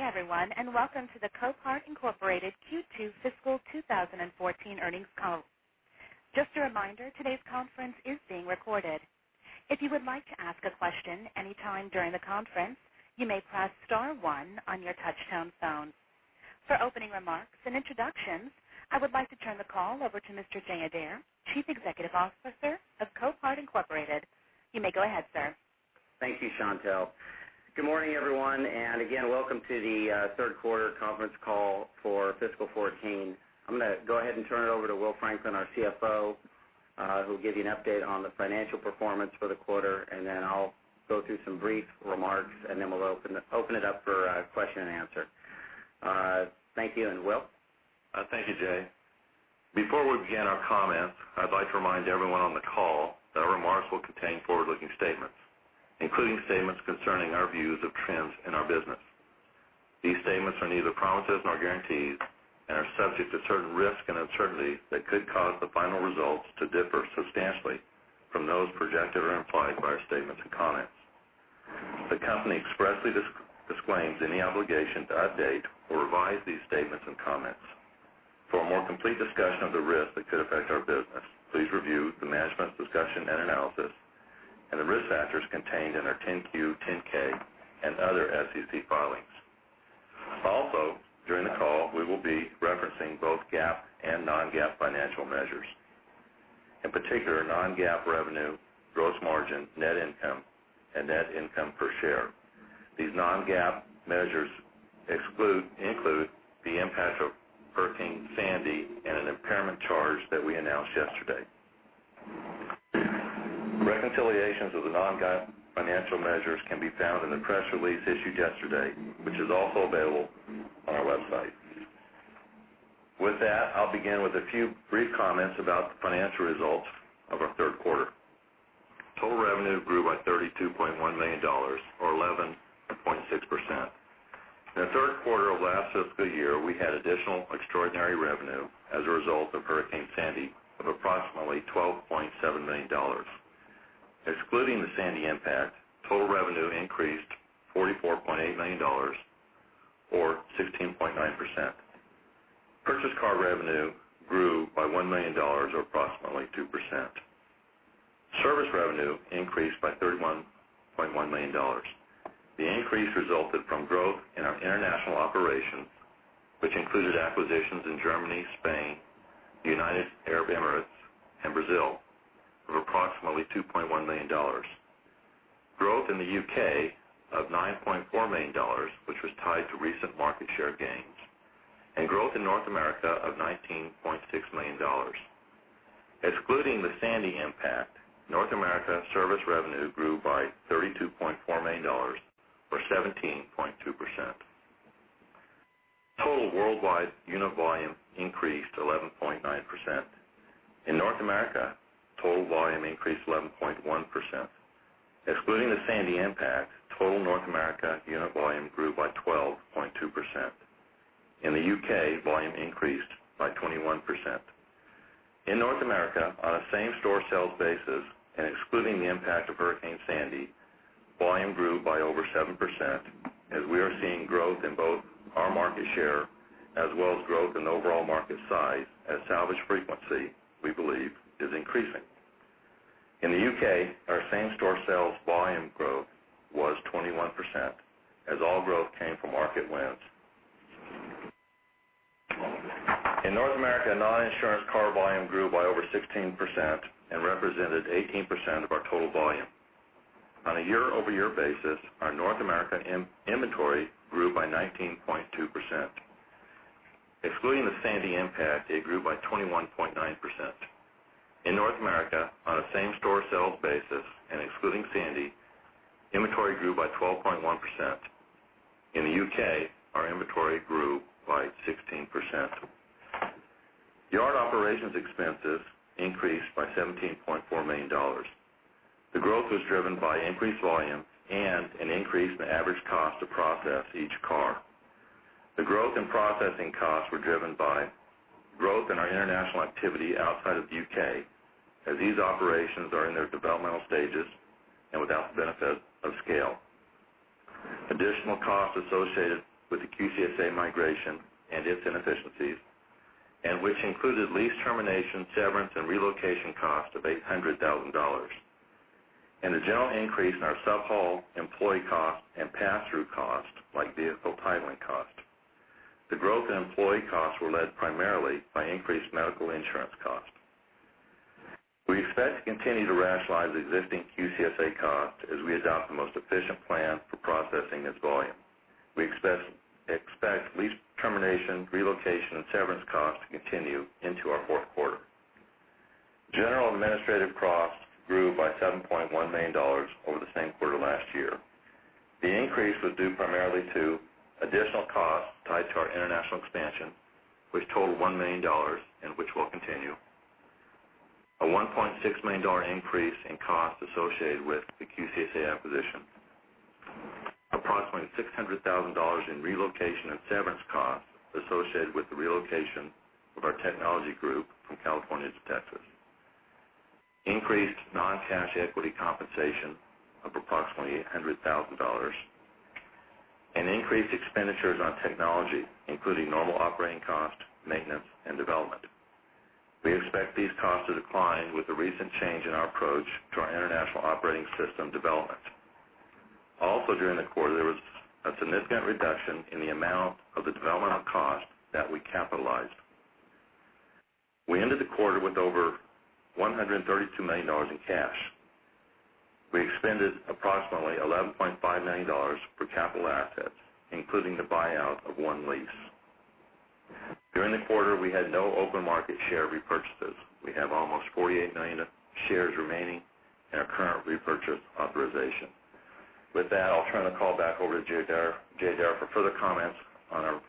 Good day, everyone, and welcome to the Copart Incorporated Q3 fiscal 2014 earnings call. Just a reminder, today's conference is being recorded. If you would like to ask a question any time during the conference, you may press star one on your touch-tone phone. For opening remarks and introductions, I would like to turn the call over to Mr. Jay Adair, Chief Executive Officer of Copart Incorporated. You may go ahead, sir. Thank you, Chantel. Good morning, everyone, again, welcome to the third quarter conference call for fiscal 2014. I'm going to go ahead and turn it over to Will Franklin, our CFO, who'll give you an update on the financial performance for the quarter. Then I'll go through some brief remarks. Then we'll open it up for question and answer. Thank you. Will? Thank you, Jay. Before we begin our comments, I'd like to remind everyone on the call that remarks will contain forward-looking statements, including statements concerning our views of trends in our business. These statements are neither promises nor guarantees and are subject to certain risks and uncertainties that could cause the final results to differ substantially from those projected or implied by our statements and comments. The company expressly disclaims any obligation to update or revise these statements and comments. For a more complete discussion of the risks that could affect our business, please review the management's discussion and analysis and the risk factors contained in our 10-Q, 10-K, and other SEC filings. During the call, we will be referencing both GAAP and non-GAAP financial measures. In particular, non-GAAP revenue, gross margin, net income, and net income per share. These non-GAAP measures include the impact of Hurricane Sandy and an impairment charge that we announced yesterday. Reconciliations of the non-GAAP financial measures can be found in the press release issued yesterday, which is also available on our website. With that, I'll begin with a few brief comments about the financial results of our third quarter. Total revenue grew by $32.1 million, or 11.6%. In the third quarter of last fiscal year, we had additional extraordinary revenue as a result of Hurricane Sandy of approximately $12.7 million. Excluding the Sandy impact, total revenue increased $44.8 million or 16.9%. Purchase car revenue grew by $1 million, or approximately 2%. Service revenue increased by $31.1 million. The increase resulted from growth in our international operations, which included acquisitions in Germany, Spain, the United Arab Emirates, and Brazil, of approximately $2.1 million. Growth in the U.K. of $9.4 million, which was tied to recent market share gains, and growth in North America of $19.6 million. Excluding the Hurricane Sandy impact, North America service revenue grew by $32.4 million or 17.2%. Total worldwide unit volume increased 11.9%. In North America, total volume increased 11.1%. Excluding the Hurricane Sandy impact, total North America unit volume grew by 12.2%. In the U.K., volume increased by 21%. In North America, on a same-store sales basis and excluding the impact of Hurricane Sandy, volume grew by over 7% as we are seeing growth in both our market share as well as growth in the overall market size as salvage frequency, we believe, is increasing. In the U.K., our same-store sales volume growth was 21%, as all growth came from market wins. In North America, non-insurance car volume grew by over 16% and represented 18% of our total volume. On a year-over-year basis, our North America inventory grew by 19.2%. Excluding the Hurricane Sandy impact, it grew by 21.9%. In North America, on a same-store sales basis and excluding Hurricane Sandy, inventory grew by 12.1%. In the U.K., our inventory grew by 16%. Yard operations expenses increased by $17.4 million. The growth was driven by increased volume and an increase in the average cost to process each car. The growth in processing costs were driven by growth in our international activity outside of the U.K., as these operations are in their developmental stages and without the benefit of scale. Additional costs associated with the QCSA migration and its inefficiencies, which included lease termination, severance, and relocation costs of $800,000. A general increase in our sub-haul employee costs and pass-through costs, like vehicle titling costs. The growth in employee costs were led primarily by increased medical insurance costs. We expect to continue to rationalize existing QCSA costs as we adopt the most efficient plan for processing its volume. We expect lease termination, relocation, and severance costs to continue into our fourth quarter. General administrative costs grew by $7.1 million over the same quarter last year. The increase was due primarily to additional costs tied to our international expansion, which totaled $1 million and which will continue. A $1.6 million increase in costs associated with the QCSA acquisition. Approximately $600,000 in relocation and severance costs associated with the relocation of our technology group from California to Texas. Increased non-cash equity compensation of approximately $100,000 and increased expenditures on technology, including normal operating cost, maintenance, and development. We expect these costs to decline with the recent change in our approach to our international operating system development. During the quarter, there was a significant reduction in the amount of the developmental cost that we capitalized. We ended the quarter with over $132 million in cash. We expended approximately $11.5 million for capital assets, including the buyout of one lease. During the quarter, we had no open market share repurchases. We have almost 48 million shares remaining in our current repurchase authorization. With that, I'll turn the call back over to Jay Adair for further comments on our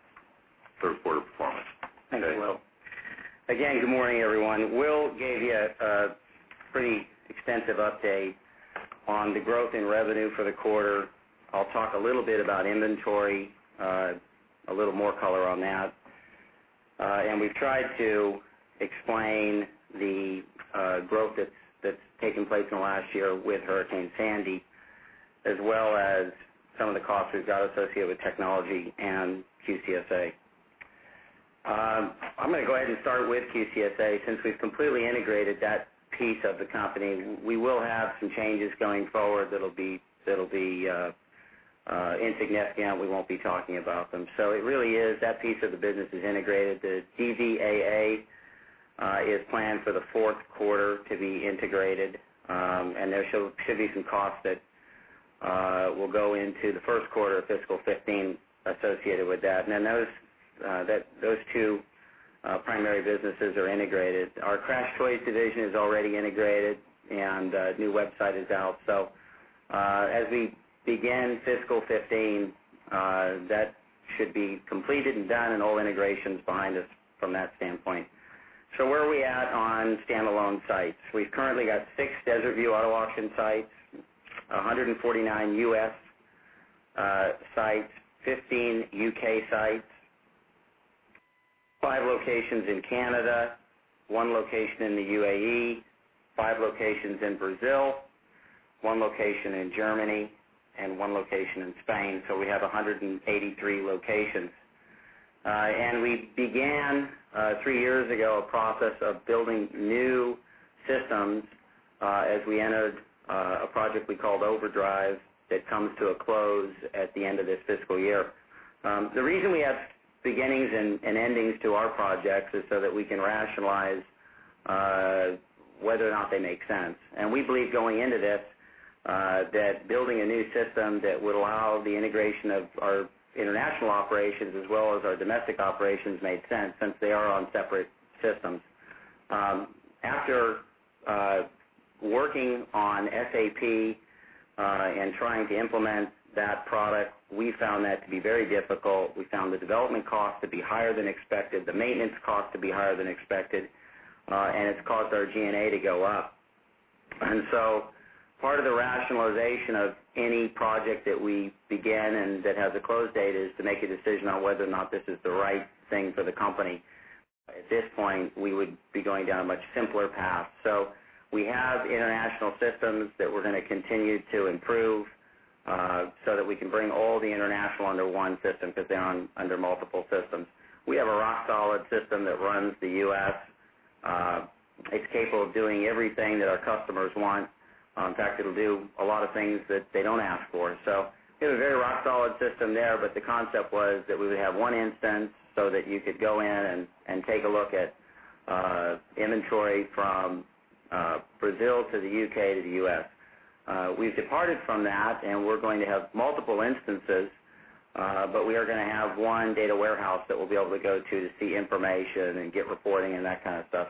third quarter performance. Jay. Thanks, Will. Again, good morning, everyone. Will gave you a pretty extensive update on the growth in revenue for the quarter. I'll talk a little bit about inventory, a little more color on that. We've tried to explain the growth that's taken place in the last year with Hurricane Sandy, as well as some of the costs we've got associated with technology and QCSA. I'm going to go ahead and start with QCSA, since we've completely integrated that piece of the company. We will have some changes going forward that'll be insignificant. We won't be talking about them. So it really is, that piece of the business is integrated. The DVAA is planned for the fourth quarter to be integrated, and there should be some costs that will go into the first quarter of fiscal 2015 associated with that. Now, those two primary businesses are integrated. Our CrashedToys division is already integrated, and a new website is out. As we begin fiscal 2015, that should be completed and done, and all integration is behind us from that standpoint. Where are we at on standalone sites? We've currently got 6 Desert View Auto Auction sites, 149 U.S. sites, 15 U.K. sites, 5 locations in Canada, 1 location in the UAE, 5 locations in Brazil, 1 location in Germany, and 1 location in Spain. We have 183 locations. We began, 3 years ago, a process of building new systems as we entered a project we called Overdrive that comes to a close at the end of this fiscal year. The reason we have beginnings and endings to our projects is so that we can rationalize whether or not they make sense. We believe going into this, that building a new system that would allow the integration of our international operations as well as our domestic operations made sense since they are on separate systems. After working on SAP and trying to implement that product, we found that to be very difficult. We found the development cost to be higher than expected, the maintenance cost to be higher than expected, and it's caused our G&A to go up. Part of the rationalization of any project that we begin and that has a close date is to make a decision on whether or not this is the right thing for the company. At this point, we would be going down a much simpler path. We have international systems that we're going to continue to improve so that we can bring all the international under 1 system, because they're under multiple systems. We have a rock solid system that runs the U.S. It's capable of doing everything that our customers want. In fact, it'll do a lot of things that they don't ask for. We have a very rock solid system there, but the concept was that we would have 1 instance so that you could go in and take a look at inventory from Brazil to the U.K. to the U.S. We've departed from that, and we're going to have multiple instances, but we are going to have 1 data warehouse that we'll be able to go to see information and get reporting and that kind of stuff.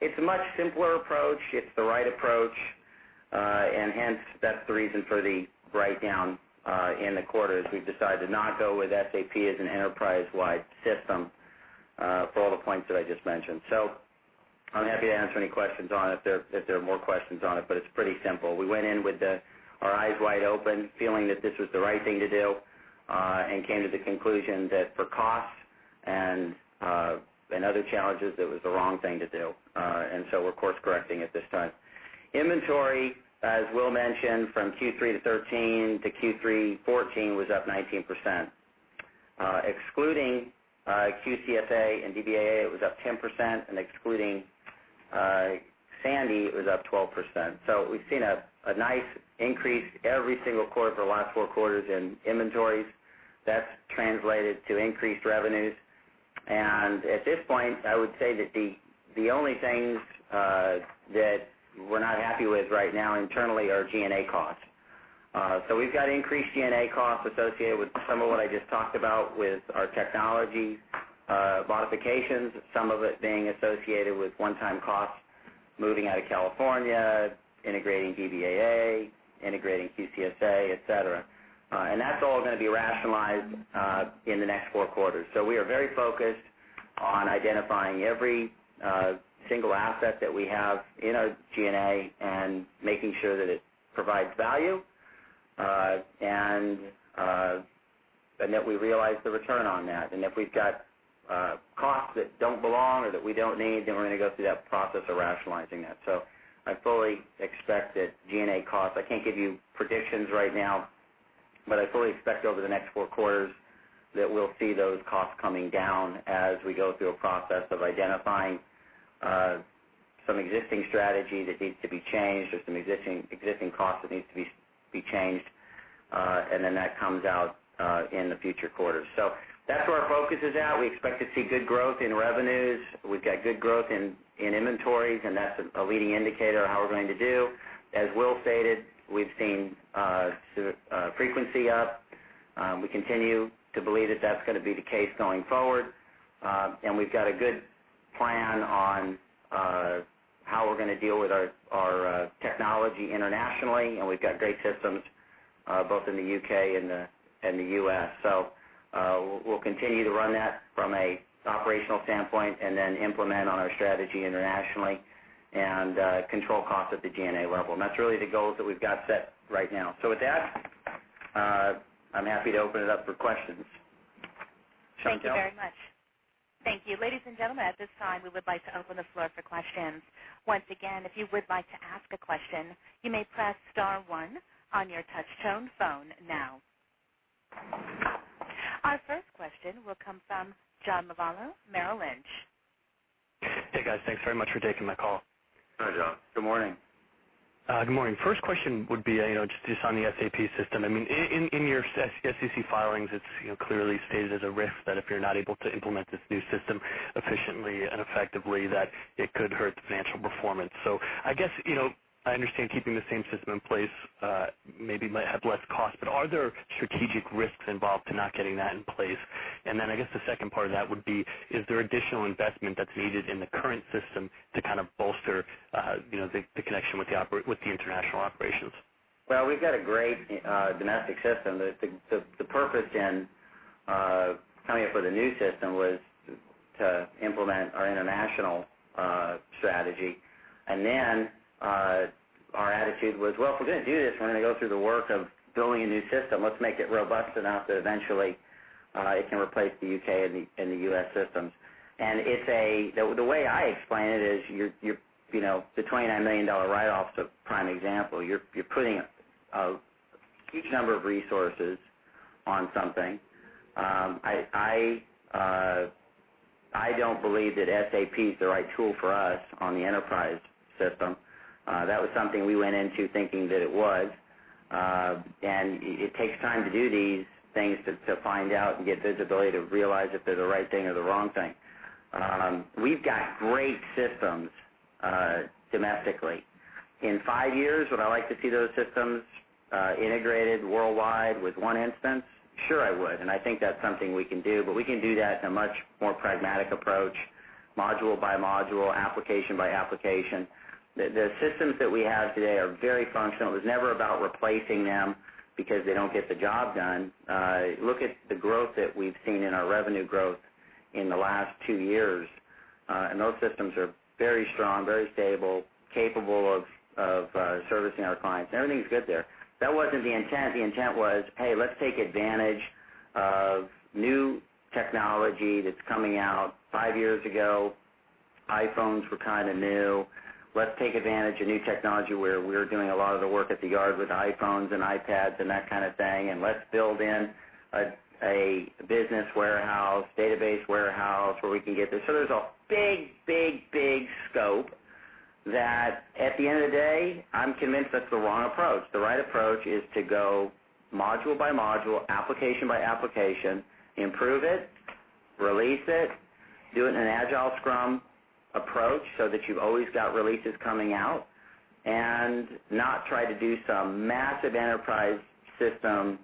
It's a much simpler approach. It's the right approach. Hence, that's the reason for the breakdown in the quarter, as we've decided to not go with SAP as an enterprise-wide system for all the points that I just mentioned. I'm happy to answer any questions on it if there are more questions on it, but it's pretty simple. We went in with our eyes wide open, feeling that this was the right thing to do, and came to the conclusion that for costs and other challenges, it was the wrong thing to do. We're course correcting at this time. Inventory, as Will mentioned, from Q3 2013 to Q3 2014, was up 19%. Excluding QCSA and Davaa, it was up 10%, and excluding Sandy, it was up 12%. We've seen a nice increase every single quarter for the last four quarters in inventories. That's translated to increased revenues. At this point, I would say that the only things that we're not happy with right now internally are G&A costs. We've got increased G&A costs associated with some of what I just talked about with our technology modifications, some of it being associated with one-time costs, moving out of California, integrating Davaa, integrating QCSA, et cetera. That's all going to be rationalized in the next four quarters. We are very focused on identifying every single asset that we have in our G&A and making sure that it provides value and that we realize the return on that. If we've got costs that don't belong or that we don't need, we're going to go through that process of rationalizing that. I fully expect that G&A costs, I can't give you predictions right now, but I fully expect over the next four quarters that we'll see those costs coming down as we go through a process of identifying some existing strategy that needs to be changed or some existing cost that needs to be changed, and that comes out in the future quarters. That's where our focus is at. We expect to see good growth in revenues. We've got good growth in inventories, and that's a leading indicator of how we're going to do. As Will stated, we've seen frequency up. We continue to believe that that's going to be the case going forward. We've got a good plan on how we're going to deal with our technology internationally, and we've got great systems both in the U.K. and the U.S. We'll continue to run that from an operational standpoint and implement on our strategy internationally and control costs at the G&A level. That's really the goals that we've got set right now. With that, I'm happy to open it up for questions. Thank you very much. Thank you. Ladies and gentlemen, at this time, we would like to open the floor for questions. Once again, if you would like to ask a question, you may press star one on your touch-tone phone now. Our first question will come from John Lovallo, Merrill Lynch. Hey, guys. Thanks very much for taking my call. Hi, John. Good morning. Good morning. First question would be just on the SAP system. In your SEC filings, it's clearly stated as a risk that if you're not able to implement this new system efficiently and effectively, that it could hurt the financial performance. I understand keeping the same system in place maybe might have less cost, but are there strategic risks involved to not getting that in place? I guess the second part of that would be, is there additional investment that's needed in the current system to kind of bolster the connection with the international operations? We've got a great domestic system. The purpose in coming up with a new system was to implement our international strategy. Our attitude was, well, if we're going to do this, we're going to go through the work of building a new system, let's make it robust enough that eventually it can replace the U.K. and the U.S. systems. The way I explain it is, the $29 million write-off is a prime example. You're putting a huge number of resources on something. I don't believe that SAP is the right tool for us on the enterprise system. That was something we went into thinking that it was. It takes time to do these things to find out and get visibility to realize if they're the right thing or the wrong thing. We've got great systems domestically. In five years, would I like to see those systems integrated worldwide with one instance? Sure I would. I think that's something we can do, but we can do that in a much more pragmatic approach, module by module, application by application. The systems that we have today are very functional. It was never about replacing them because they don't get the job done. Look at the growth that we've seen in our revenue growth in the last two years, and those systems are very strong, very stable, capable of servicing our clients. Everything's good there. That wasn't the intent. The intent was, hey, let's take advantage of new technology that's coming out. Five years ago, iPhones were kind of new. Let's take advantage of new technology where we're doing a lot of the work at the yard with iPhones and iPads and that kind of thing. Let's build in a business warehouse, database warehouse where we can get this. There's a big scope that at the end of the day, I'm convinced that's the wrong approach. The right approach is to go module by module, application by application, improve it, release it, do it in an Agile scrum approach so that you've always got releases coming out, not try to do some massive enterprise system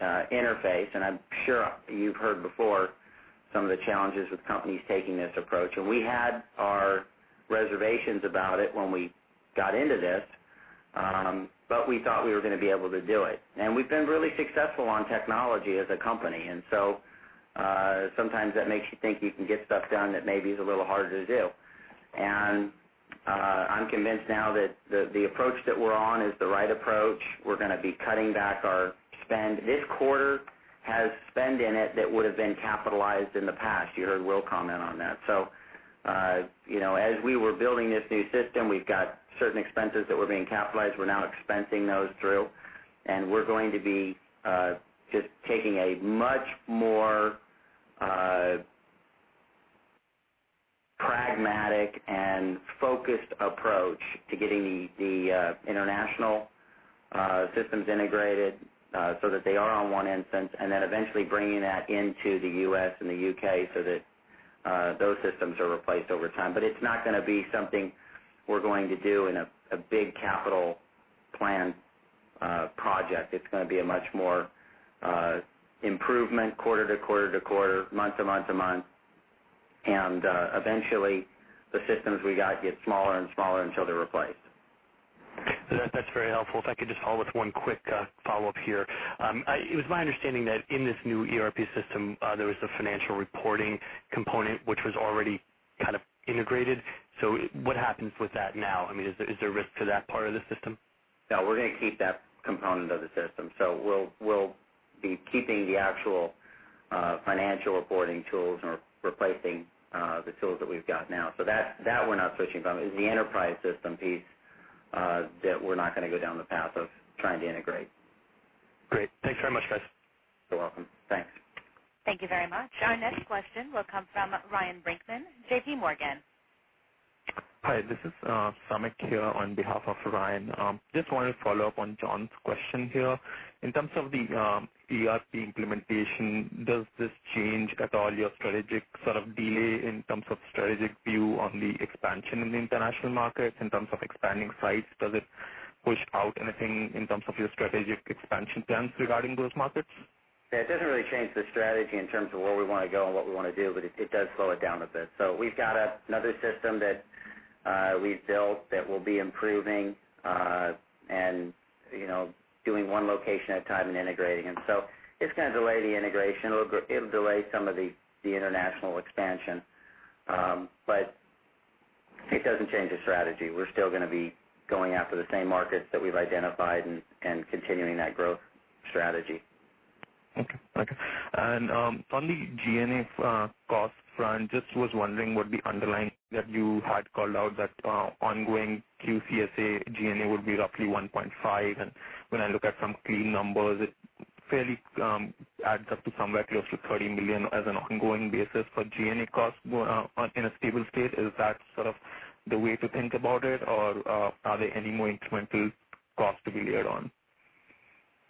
interface. I'm sure you've heard before some of the challenges with companies taking this approach. We had our reservations about it when we got into this, but we thought we were going to be able to do it. We've been really successful on technology as a company, and so sometimes that makes you think you can get stuff done that maybe is a little harder to do. I'm convinced now that the approach that we're on is the right approach. We're going to be cutting back our spend. This quarter has spend in it that would have been capitalized in the past. You heard Will comment on that. As we were building this new system, we've got certain expenses that were being capitalized. We're now expensing those through. We're going to be just taking a much more pragmatic and focused approach to getting the international systems integrated so that they are on one instance. Eventually bringing that into the U.S. and the U.K. so that those systems are replaced over time. It's not going to be something we're going to do in a big capital plan project. It's going to be a much more improvement quarter to quarter to quarter, month to month to month. Eventually the systems we got get smaller and smaller until they're replaced. That's very helpful. If I could just follow with one quick follow-up here. It was my understanding that in this new ERP system, there was a financial reporting component which was already kind of integrated. What happens with that now? Is there a risk to that part of the system? No, we're going to keep that component of the system. We'll be keeping the actual financial reporting tools and replacing the tools that we've got now. It's the enterprise system piece that we're not going to go down the path of trying to integrate. Great. Thanks very much, guys. You're welcome. Thanks. Thank you very much. Our next question will come from Ryan Brinkman, J.P. Morgan. Hi, this is Samik here on behalf of Ryan. Just wanted to follow up on John's question here. In terms of the ERP implementation, does this change at all your strategic sort of delay in terms of strategic view on the expansion in the international markets, in terms of expanding sites? Does it push out anything in terms of your strategic expansion plans regarding those markets? It doesn't really change the strategy in terms of where we want to go and what we want to do, but it does slow it down a bit. We've got another system that we've built that we'll be improving and doing one location at a time and integrating them. It's going to delay the integration. It'll delay some of the international expansion. It doesn't change the strategy. We're still going to be going after the same markets that we've identified and continuing that growth strategy. Okay. On the G&A cost front, just was wondering what the underlying that you had called out that ongoing QCSA G&A would be roughly $1.5 million. When I look at some clean numbers, it fairly adds up to somewhere close to $30 million as an ongoing basis for G&A costs in a stable state. Is that sort of the way to think about it, or are there any more incremental costs to be layered on?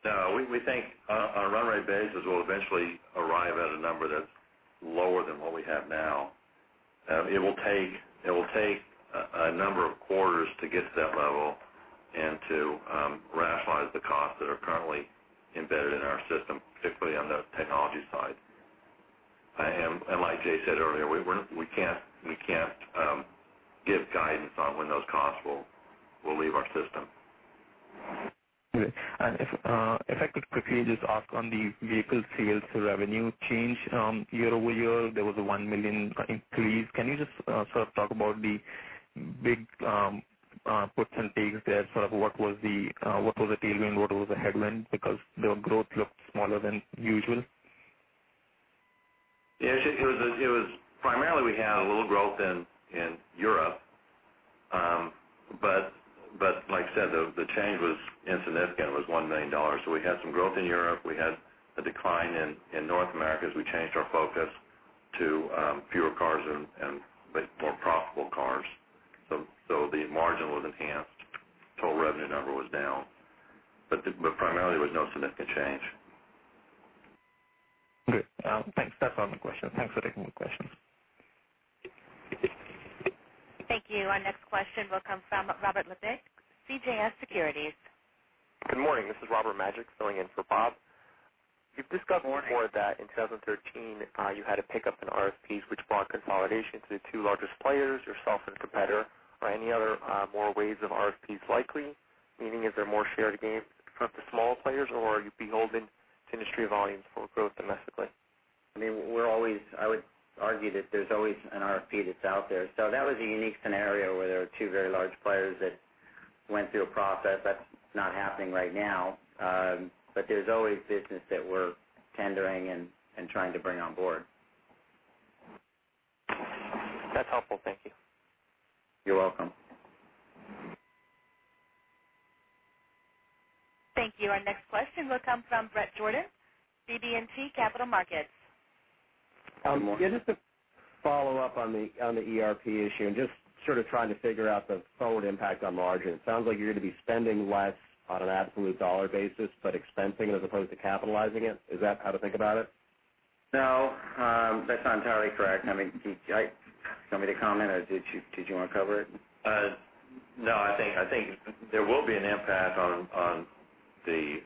No, we think on a run rate basis, we'll eventually arrive at a number that's lower than what we have now. It will take a number of quarters to get to that level and to rationalize the costs that are currently embedded in our system, particularly on the technology side. Like Jay said earlier, we can't give guidance on when those costs will leave our system. Okay. If I could quickly just ask on the vehicle sales revenue change year-over-year, there was a $1 million increase. Can you just sort of talk about the big puts and takes there? Sort of what was the tailwind, what was the headwind? Because the growth looked smaller than usual. Yeah. Primarily, we had a little growth in Europe. Like I said, the change was insignificant, was $1 million. We had some growth in Europe. We had a decline in North America, as we changed our focus to fewer cars and more profitable cars. The margin was enhanced. Total revenue number was down. Primarily, there was no significant change. Great. Thanks. That's all my questions. Thanks for taking the questions. Thank you. Our next question will come from Robert Majek, CJS Securities. Good morning. This is Robert Majek, filling in for Bob. Good morning. You've discussed before that in 2013, you had a pickup in RFPs which brought consolidation to the two largest players, yourself and competitor. Are any other more waves of RFPs likely? Meaning, is there more shared gain from the smaller players, or are you beholden to industry volumes for growth domestically? I would argue that there's always an RFP that's out there. That was a unique scenario where there were two very large players that went through a process. That's not happening right now. There's always business that we're tendering and trying to bring on board. That's helpful. Thank you. You're welcome. Thank you. Our next question will come from Bret Jordan, BB&T Capital Markets. Good morning. Just to follow up on the ERP issue and just sort of trying to figure out the forward impact on margin. It sounds like you're going to be spending less on an absolute dollar basis, but expensing it as opposed to capitalizing it. Is that how to think about it? No, that's not entirely correct. Do you want me to comment or did you want to cover it? No, I think there will be an impact on the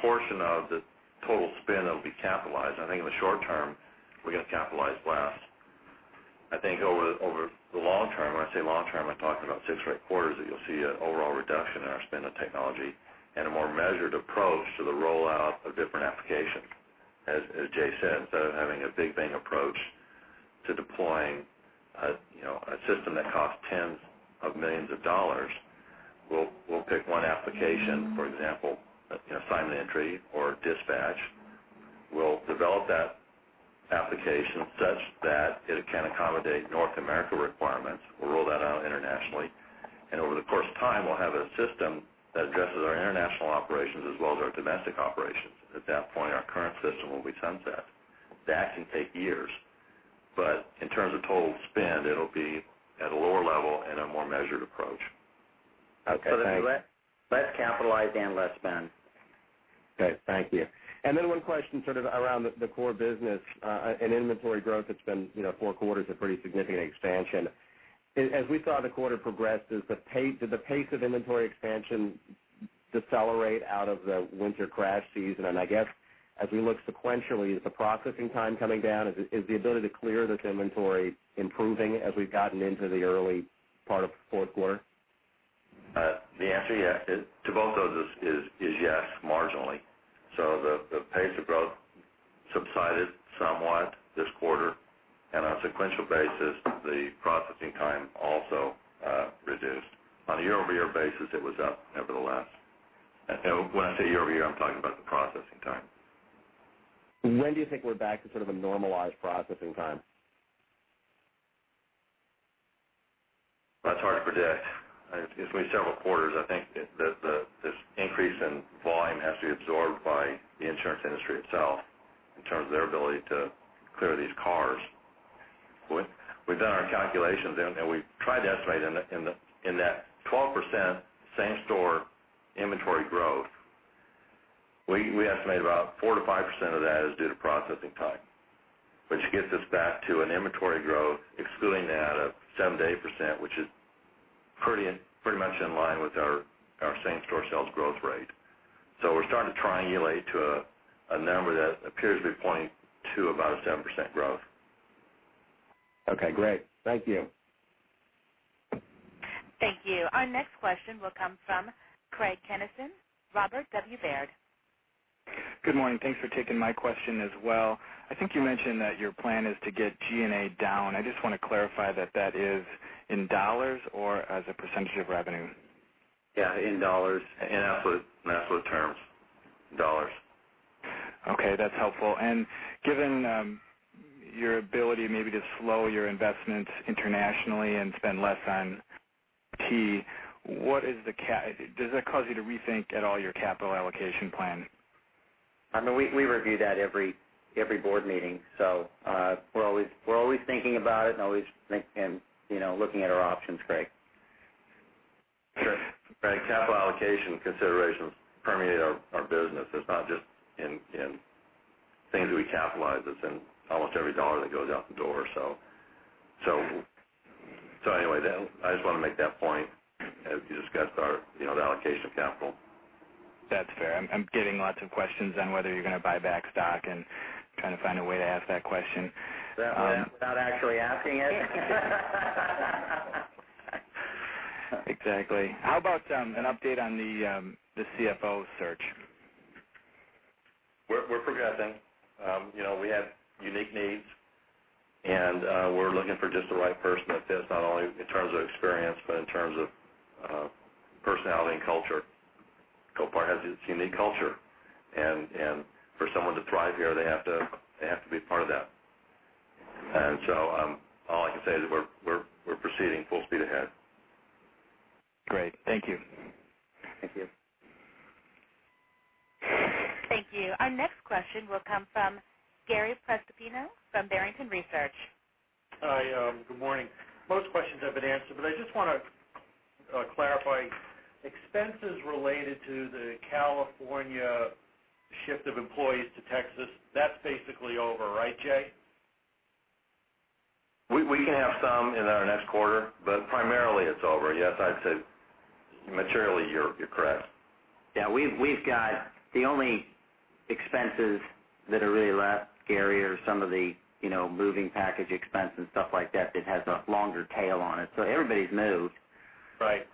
portion of the total spend that'll be capitalized. I think in the short term, we're going to capitalize less. I think over the long term, when I say long term, I'm talking about six or eight quarters, that you'll see an overall reduction in our spend on technology and a more measured approach to the rollout of different applications. As Jay said, instead of having a big bang approach to deploying a system that costs tens of millions of dollars, we'll pick one application, for example, assignment entry or dispatch. We'll develop that application such that it can accommodate North America requirements. We'll roll that out internationally, and over the course of time, we'll have a system that addresses our international operations as well as our domestic operations. At that point, our current system will be sunset. That can take years. In terms of total spend, it'll be at a lower level and a more measured approach. Okay, thanks. Less capitalized and less spend. Okay, thank you. One question sort of around the core business and inventory growth. It's been four quarters of pretty significant expansion. As we saw the quarter progress, did the pace of inventory expansion decelerate out of the winter crash season? I guess as we look sequentially, is the processing time coming down? Is the ability to clear this inventory improving as we've gotten into the early part of the fourth quarter? The answer, yes, to both those is yes, marginally. The pace of growth subsided somewhat this quarter. On a sequential basis, the processing time also reduced. On a year-over-year basis, it was up, nevertheless. When I say year-over-year, I'm talking about the processing time. When do you think we're back to sort of a normalized processing time? That's hard to predict. It's only several quarters. I think this increase in volume has to be absorbed by the insurance industry itself in terms of their ability to clear these cars. We've done our calculations, and we've tried to estimate in that 12% same-store inventory growth. We estimate about 4%-5% of that is due to processing time, which gets us back to an inventory growth, excluding that of 7%-8%, which is pretty much in line with our same-store sales growth rate. We're starting to triangulate to a number that appears to be pointing to about a 7% growth. Okay, great. Thank you. Thank you. Our next question will come from Craig Kennison, Robert W. Baird. Good morning. Thanks for taking my question as well. I think you mentioned that your plan is to get G&A down. I just want to clarify that that is in dollars or as a percentage of revenue. Yeah, in dollars, in absolute terms. Dollars. Okay, that's helpful. Given your ability maybe to slow your investments internationally and spend less on T, does that cause you to rethink at all your capital allocation plan? We review that every board meeting. We're always thinking about it and always looking at our options, Craig. Craig, capital allocation considerations permeate our business. It's not just in things we capitalize. It's in almost every dollar that goes out the door. Anyway, I just want to make that point as we discuss the allocation of capital. That's fair. I'm getting lots of questions on whether you're going to buy back stock and trying to find a way to ask that question. Without actually asking it? Exactly. How about an update on the CFO search? We're progressing. We have unique needs, and we're looking for just the right person that fits not only in terms of experience, but in terms of personality and culture. Copart has its unique culture, and for someone to thrive here, they have to be part of that. All I can say is we're proceeding full speed ahead. Great. Thank you. Thank you. Thank you. Our next question will come from Gary Prestopino from Barrington Research. Hi. Good morning. Most questions have been answered, but I just want to clarify. Expenses related to the California shift of employees to Texas, that's basically over, right, Jay? We can have some in our next quarter, but primarily it's over. Yes, I'd say materially, you're correct. Yeah. The only expenses that are really left, Gary, are some of the moving package expense and stuff like that has a longer tail on it. Everybody's moved. Right.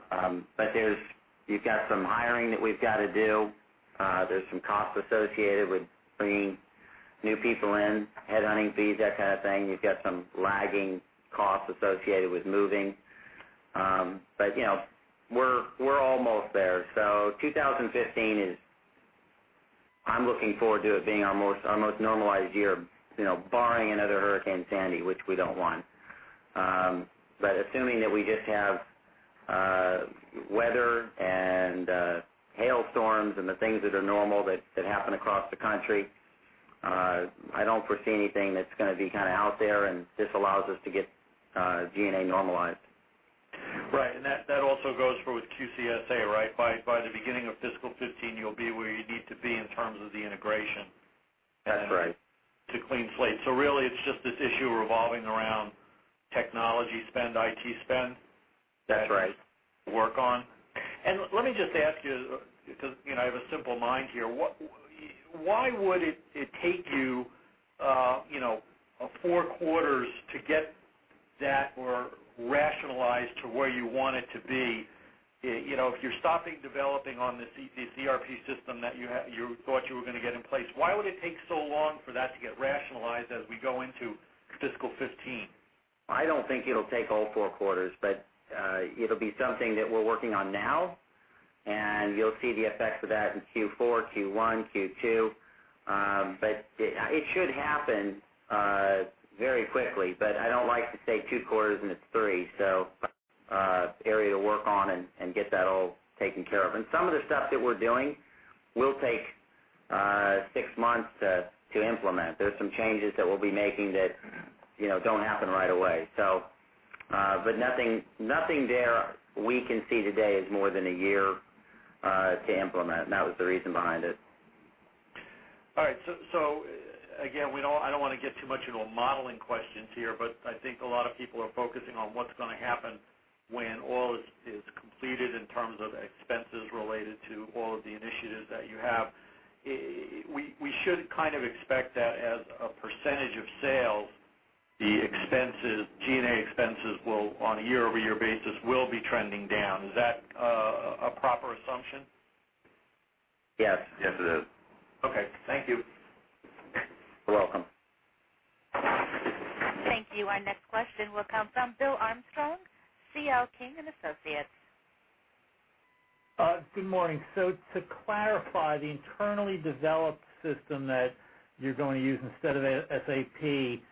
You've got some hiring that we've got to do. There's some costs associated with bringing new people in, headhunting fees, that kind of thing. You've got some lagging costs associated with moving. We're almost there. 2015, I'm looking forward to it being our most normalized year, barring another Hurricane Sandy, which we don't want. Assuming that we just have weather and hailstorms and the things that are normal that happen across the country, I don't foresee anything that's going to be kind of out there, and this allows us to get G&A normalized. Right. That also goes for with QCSA, right? By the beginning of fiscal 2015, you'll be where you need to be in terms of the integration. That's right. to clean slate. Really, it's just this issue revolving around technology spend, IT spend. That's right to work on. Let me just ask you, because I have a simple mind here. Why would it take you four quarters to get that or rationalize to where you want it to be? If you're stopping developing on this ERP system that you thought you were going to get in place, why would it take so long for that to get rationalized as we go into fiscal 2015? I don't think it'll take all four quarters, but it'll be something that we're working on now, and you'll see the effects of that in Q4, Q1, Q2. It should happen very quickly, but I don't like to say two quarters, and it's three. Area to work on and get that all taken care of. Some of the stuff that we're doing will take six months to implement. There's some changes that we'll be making that don't happen right away. Nothing there we can see today is more than a year to implement, and that was the reason behind it. All right. Again, I don't want to get too much into a modeling questions here, but I think a lot of people are focusing on what's going to happen when all this is completed in terms of expenses related to all of the initiatives that you have. We should kind of expect that as a percentage of sales the G&A expenses on a year-over-year basis will be trending down. Is that a proper assumption? Yes. Yes, it is. Okay. Thank you. You're welcome. Thank you. Our next question will come from Bill Armstrong, C.L. King & Associates. Good morning. To clarify, the internally developed system that you're going to use instead of SAP,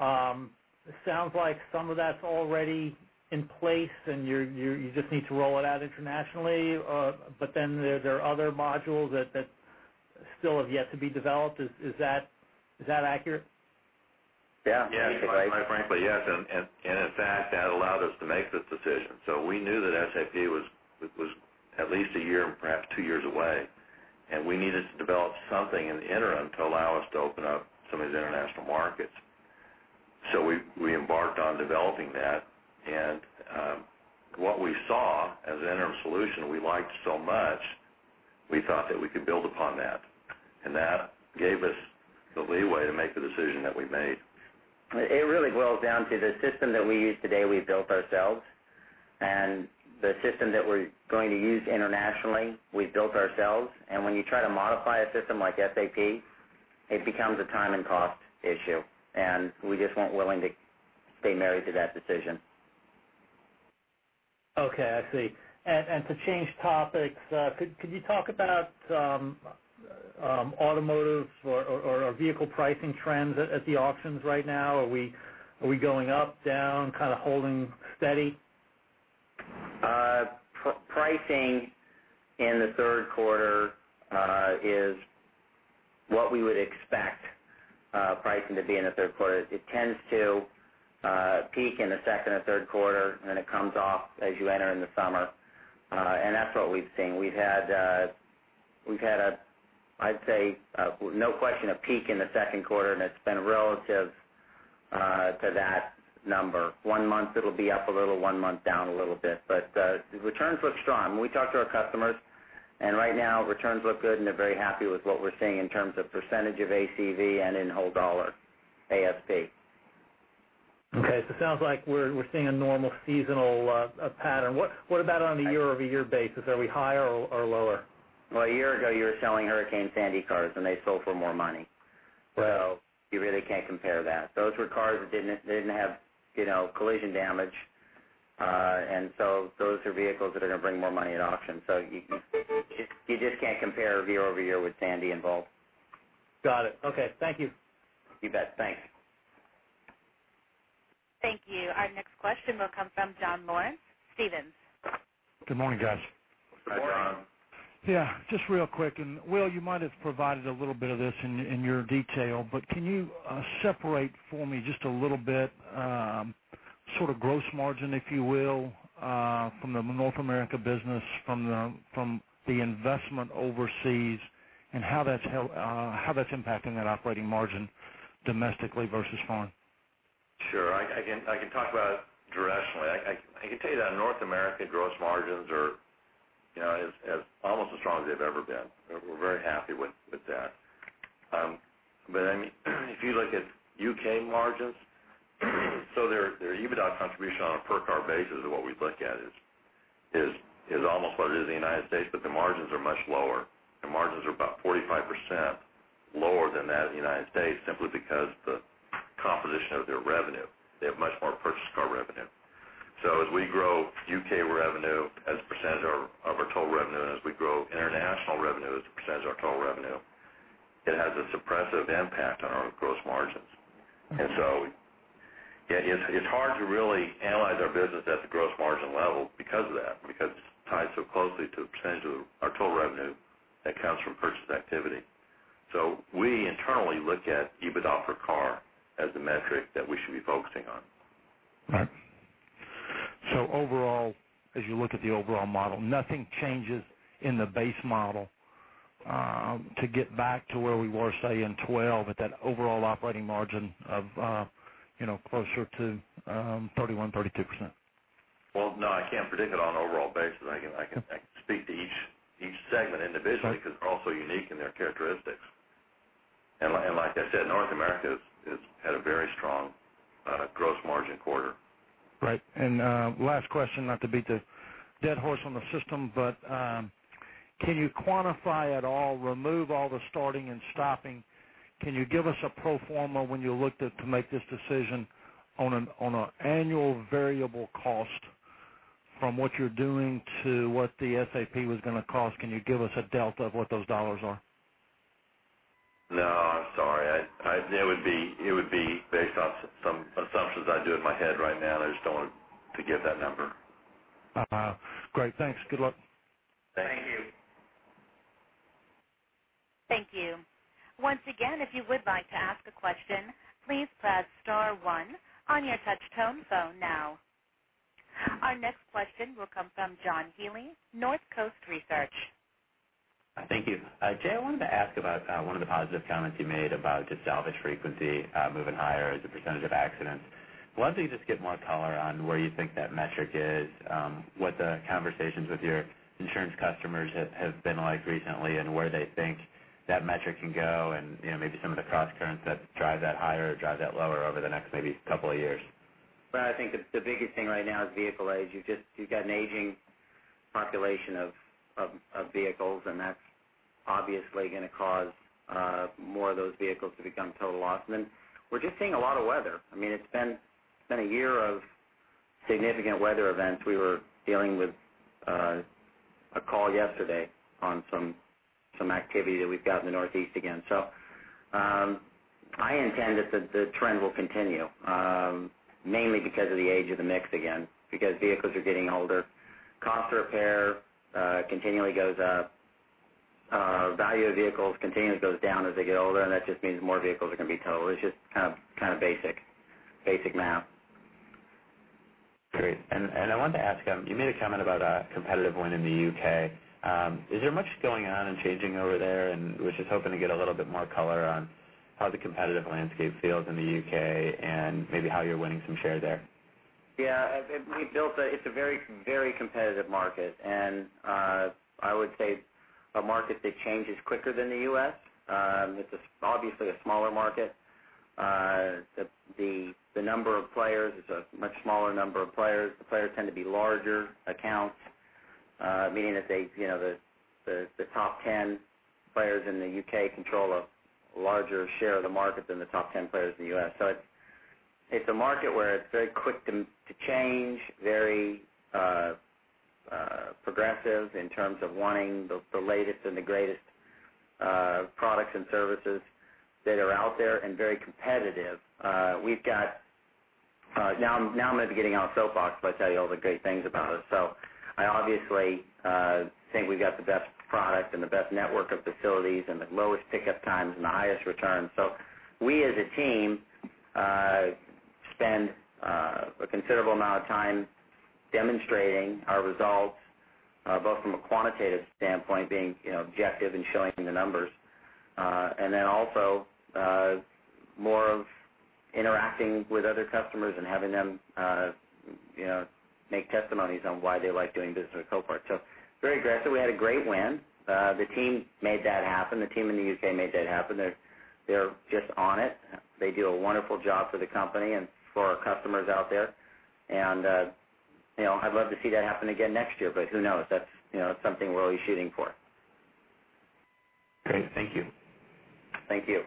it sounds like some of that's already in place, and you just need to roll it out internationally. There are other modules that still have yet to be developed. Is that accurate? Yeah. Yes. Quite frankly, yes. In fact, that allowed us to make this decision. We knew that SAP was at least a year, perhaps two years away, and we needed to develop something in the interim to allow us to open up some of these international markets. We embarked on developing that, what we saw as an interim solution, we liked so much, we thought that we could build upon that. That gave us the leeway to make the decision that we made. It really boils down to the system that we use today we built ourselves, and the system that we're going to use internationally we built ourselves. When you try to modify a system like SAP, it becomes a time and cost issue. We just weren't willing to stay married to that decision. Okay. I see. To change topics, could you talk about automotive or vehicle pricing trends at the auctions right now? Are we going up, down, kind of holding steady? Pricing in the third quarter is what we would expect pricing to be in the third quarter. It tends to peak in the second or third quarter, then it comes off as you enter in the summer. That's what we've seen. We've had a, I'd say, no question, a peak in the second quarter, and it's been relative to that number. One month it'll be up a little, one month down a little bit. The returns look strong. We talked to our customers, and right now returns look good, and they're very happy with what we're seeing in terms of percentage of ACV and in whole dollar ASP. Okay. It sounds like we're seeing a normal seasonal pattern. What about on a year-over-year basis? Are we higher or lower? Well, a year ago, you were selling Hurricane Sandy cars, and they sold for more money. Right. You really can't compare that. Those were cars that didn't have collision damage. Those are vehicles that are going to bring more money at auction. You just can't compare year-over-year with Sandy involved. Got it. Okay. Thank you. You bet. Thanks. Thank you. Our next question will come from John Lawrence, Stephens. Good morning, guys. Good morning, John. Yeah. Just real quick, Will, you might have provided a little bit of this in your detail, but can you separate for me just a little bit sort of gross margin, if you will, from the North America business, from the investment overseas, and how that's impacting that operating margin domestically versus foreign? Sure. I can talk about directionally. I can tell you that North America gross margins are almost as strong as they've ever been. We're very happy with that. If you look at U.K. margins, so their EBITDA contribution on a per car basis is what we look at is almost what it is in the United States, but the margins are much lower. The margins are about 45% lower than that of the United States simply because the composition of their revenue. They have much more purchased car revenue. As we grow U.K. revenue as a percentage of our total revenue, and as we grow international revenue as a percentage of our total revenue, it has a suppressive impact on our gross margins. It's hard to really analyze our business at the gross margin level because of that, because it's tied so closely to the percentage of our total revenue that comes from purchase activity. We internally look at EBITDA per car as the metric that we should be focusing on. Right. Overall, as you look at the overall model, nothing changes in the base model to get back to where we were, say, in 2012, at that overall operating margin of closer to 31%, 32%. Well, no, I can't predict it on an overall basis. I can speak to each segment individually- Right because they're all so unique in their characteristics. Like I said, North America has had a very strong gross margin quarter. Last question, not to beat the dead horse on the system, but can you quantify at all, remove all the starting and stopping? Can you give us a pro forma when you looked to make this decision on an annual variable cost from what you're doing to what the SAP was going to cost? Can you give us a delta of what those dollars are? No, I'm sorry. It would be based on some assumptions I do in my head right now, I just don't want to give that number. Great. Thanks. Good luck. Thank you. Thank you. Once again, if you would like to ask a question, please press *1 on your touch tone phone now. Our next question will come from John Healy, NorthCoast Research. Thank you. Jay, I wanted to ask about one of the positive comments you made about just salvage frequency moving higher as a percentage of accidents. I wanted to just get more color on where you think that metric is, what the conversations with your insurance customers have been like recently, and where they think that metric can go, and maybe some of the cross-currents that drive that higher or drive that lower over the next maybe couple of years. Well, I think the biggest thing right now is vehicle age. You've got an aging population of vehicles, that's obviously going to cause more of those vehicles to become total loss. We're just seeing a lot of weather. It's been a year of significant weather events. We were dealing with a call yesterday on some activity that we've got in the Northeast again. I intend that the trend will continue, mainly because of the age of the mix again, because vehicles are getting older. Cost to repair continually goes up. Value of vehicles continually goes down as they get older, that just means more vehicles are going to be totaled. It's just kind of basic math. I wanted to ask, you made a comment about a competitive win in the U.K. Is there much going on and changing over there? I was just hoping to get a little bit more color on how the competitive landscape feels in the U.K. and maybe how you're winning some share there. Yeah. It's a very competitive market I would say a market that changes quicker than the U.S. It's obviously a smaller market. The number of players is a much smaller number of players. The players tend to be larger accounts, meaning that the top 10 players in the U.K. control a larger share of the market than the top 10 players in the U.S. It's a market where it's very quick to change, very progressive in terms of wanting the latest and the greatest products and services that are out there, and very competitive. I'm going to be getting on a soapbox if I tell you all the great things about us. I obviously think we've got the best product and the best network of facilities and the lowest pickup times and the highest returns. We, as a team, spend a considerable amount of time demonstrating our results, both from a quantitative standpoint, being objective and showing the numbers, and then also more of interacting with other customers and having them make testimonies on why they like doing business with Copart. Very aggressive. We had a great win. The team made that happen. The team in the U.K. made that happen. They're just on it. They do a wonderful job for the company and for our customers out there, and I'd love to see that happen again next year. Who knows? That's something we're always shooting for. Great. Thank you. Thank you.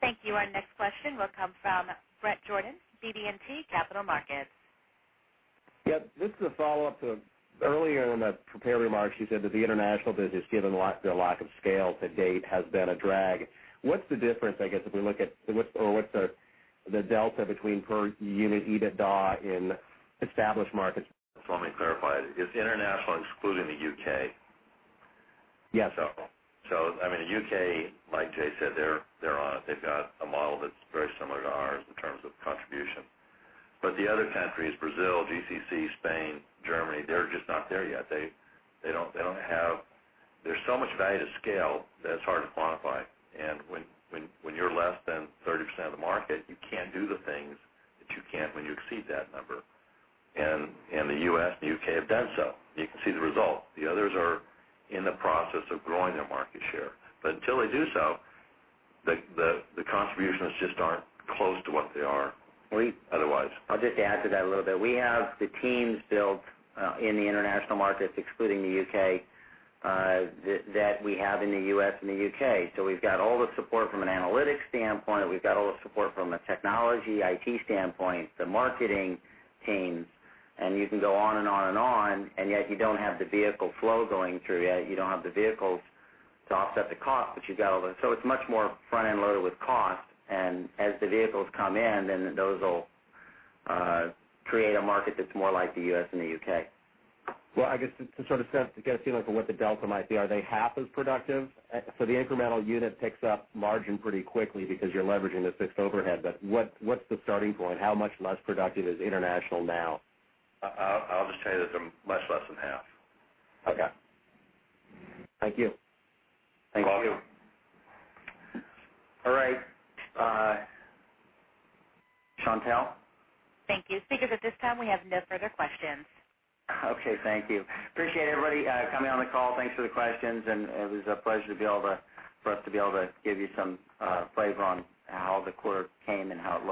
Thank you. Our next question will come from Bret Jordan, BB&T Capital Markets. Yep. Just a follow-up to earlier in the prepared remarks, you said that the international business, given their lack of scale to date, has been a drag. What's the difference, I guess, if we look at what's the delta between per unit EBITDA in established markets? Let me clarify. Is international excluding the U.K.? Yes. The U.K., like Jay said, they're on it. They've got a model that's very similar to ours in terms of contribution. The other countries, Brazil, GCC, Spain, Germany, they're just not there yet. There's so much value to scale that it's hard to quantify. When you're less than 30% of the market, you can't do the things that you can when you exceed that number. The U.S. and the U.K. have done so. You can see the result. The others are in the process of growing their market share. Until they do so, the contributions just aren't close to what they are otherwise. I'll just add to that a little bit. We have the teams built in the international markets, excluding the U.K., that we have in the U.S. and the U.K. We've got all the support from an analytics standpoint, we've got all the support from a technology IT standpoint, the marketing teams, and you can go on and on, and yet you don't have the vehicle flow going through yet. You don't have the vehicles to offset the cost that you got all those. It's much more front-end loaded with cost, and as the vehicles come in, then those will create a market that's more like the U.S. and the U.K. Well, I guess just to sort of get a feel for what the delta might be. Are they half as productive? The incremental unit picks up margin pretty quickly because you're leveraging the fixed overhead. What's the starting point? How much less productive is international now? I'll just tell you that they're much less than half. Okay. Thank you. Thank you. Thank you. All right. Chantelle? Thank you. Speakers, at this time, we have no further questions. Okay. Thank you. Appreciate everybody coming on the call. Thanks for the questions, and it was a pleasure for us to be able to give you some flavor on how the quarter came and how it looks.